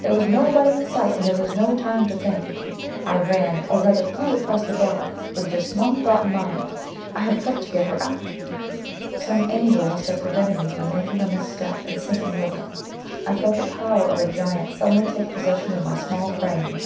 There was nobody in sight, and there was no time to think. I ran, or rather flew, across the bog, with just one thought in my mind, "I have got to get her out!" Some angel must have prevented me from making a misstep, and sinking with her. I felt the power of a giant suddenly taking possession of my small frame.